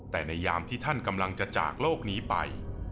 แต่ในยามที่ท่านกำลังจะจากโลกนี้ไป